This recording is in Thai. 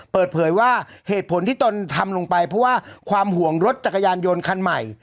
เปิดเผยว่าเหตุผลที่ตนทำลงไปเพราะว่าความห่วงรถจักรยานยนต์คันใหม่